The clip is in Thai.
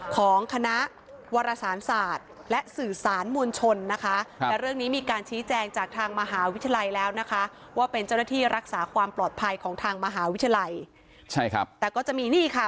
ของคณะวรสารศาสตร์และสื่อสารมวลชนนะคะและเรื่องนี้มีการชี้แจงจากทางมหาวิทยาลัยแล้วนะคะ